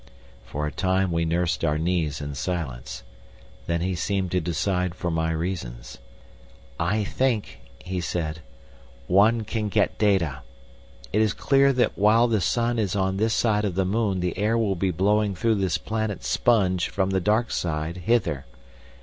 For a time we nursed our knees in silence. Then he seemed to decide for my reasons. "I think," he said, "one can get data. It is clear that while the sun is on this side of the moon the air will be blowing through this planet sponge from the dark side hither.